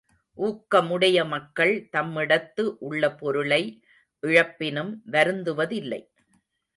ஊக்கமுடைய மக்கள் தம்மிடத்து உள்ள பொருளை இழப்பினும் வருந்துவதில்லை.